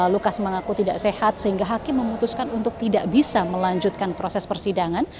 lukas mengaku tidak sehat sehingga hakim memutuskan untuk tidak bisa melanjutkan proses persidangan